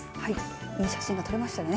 いい写真撮れましたかね。